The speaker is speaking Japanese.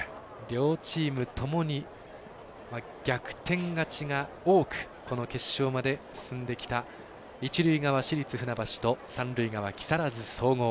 両チームともに逆転勝ちが多くこの決勝まで進んできた一塁側、市立船橋と三塁側、木更津総合。